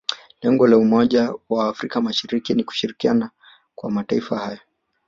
lengo la umoja wa afrika mashariki ni kushirikiana kwa mataifa hayo